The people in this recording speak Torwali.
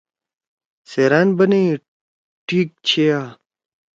سیرأن بنئی ٹھیک چھیا۔